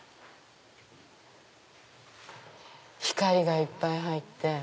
光がいっぱい入って。